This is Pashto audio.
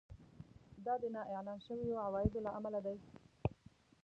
دا د نااعلان شويو عوایدو له امله دی